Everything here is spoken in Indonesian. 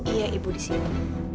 iya ibu di sini